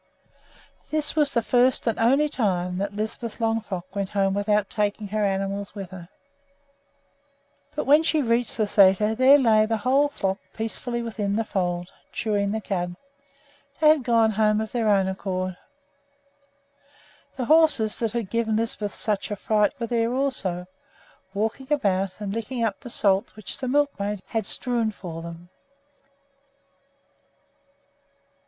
This was the first and only time that Lisbeth Longfrock went home without taking her animals with her. But when she reached the sæter there lay the whole flock peacefully within the fold, chewing the cud. They had gone home of their own accord. The horses that had given Lisbeth such a fright were there also, walking about and licking up the salt which the milkmaid had strewn for them.